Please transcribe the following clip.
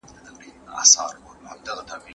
موږ تېر کال په دې پټي کي د جوارو تخمونه وکرل.